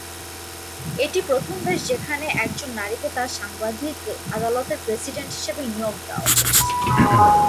এটিই প্রথম দেশ যেখানে একজন নারীকে তার সাংবিধানিক আদালতের প্রেসিডেন্ট হিসেবে নিয়োগ দেওয়া হয়ে।